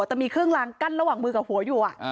แต่มีเครื่องลางกั้นระหว่างมือกับหัวอยู่